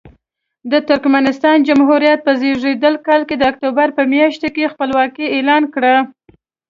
د ترکمنستان جمهوریت په زېږدیز کال د اکتوبر په میاشت کې خپلواکي اعلان کړه.